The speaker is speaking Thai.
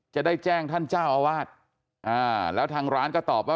จะได้แจ้งท่านเจ้าอาวาสแล้วทางร้านก็ตอบว่า